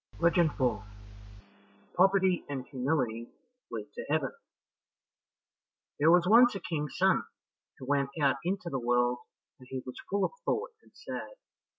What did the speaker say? Legend 4 Poverty and Humility Lead to Heaven There was once a King's son who went out into the world, and he was full of thought and sad.